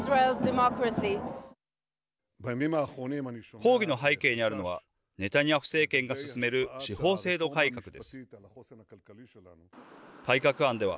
抗議の背景にあるのはネタニヤフ政権が進める司法制度改革です。